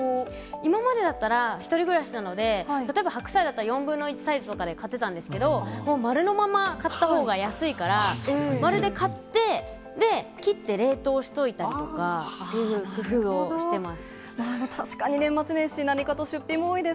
今までだったら、１人暮らしなので、例えば白菜だったら４分の１サイズとかで買ってたんですけれども、もうまるのまま買ったほうが安いから、丸で買って、で、切って冷凍しておいたりとかっていう工夫をしてます。